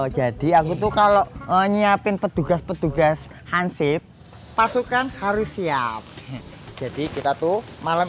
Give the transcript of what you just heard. jadi aku tuh kalau menyiapkan petugas petugas hansip pasukan harus siap jadi kita tuh malam